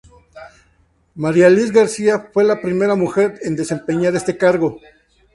María Liz García, fue la primera mujer en desempeñar este cargo.